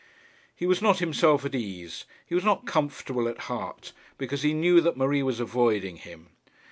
He was not himself at ease, he was not comfortable at heart, because he knew that Marie was avoiding him.